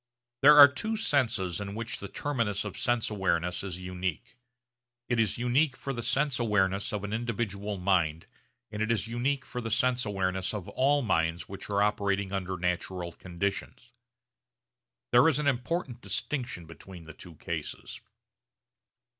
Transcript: There are two senses in which the terminus of sense awareness is unique. It is unique for the sense awareness of an individual mind and it is unique for the sense awareness of all minds which are operating under natural conditions. There is an important distinction between the two cases.